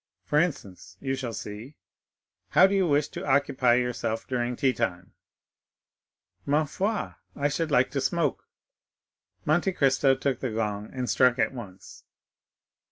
For instance, you shall see; how do you wish to occupy yourself during tea time?" "Ma foi, I should like to smoke." Monte Cristo took the gong and struck it once.